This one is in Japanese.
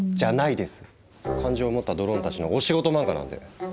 感情を持ったドローンたちのお仕事漫画なんで！